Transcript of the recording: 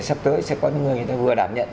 sắp tới sẽ có những người người ta vừa đảm nhận